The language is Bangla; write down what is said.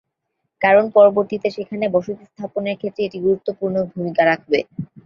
কারণ পরবর্তীতে সেখানে বসতি স্থাপনের ক্ষেত্রে এটি গুরুত্বপূর্ণ ভূমিকা রাখবে।